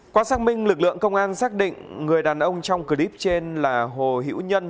qua xác minh lực lượng công an xác định người đàn ông trong clip trên là hồ hiễu nhân